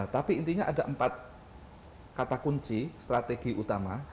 tapi intinya ada empat kata kunci strategi utama